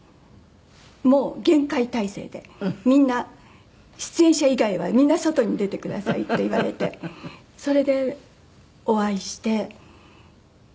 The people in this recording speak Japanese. もう厳戒態勢でみんな「出演者以外はみんな外に出てください」って言われてそれでお会いして。